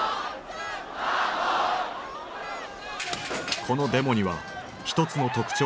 このデモには一つの特徴があった。